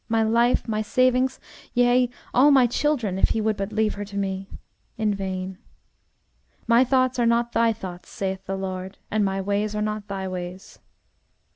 My life, my savings, yea, all my children if He would but leave her to me. In vain. 'My thoughts are not thy thoughts, saith the Lord, and My ways are not thy ways.'